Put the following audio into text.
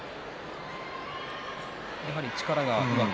やはり力がうまく？